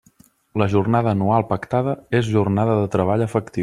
La jornada anual pactada és jornada de treball efectiu.